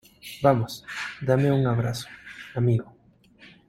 vamos, dame un abrazo , amigo.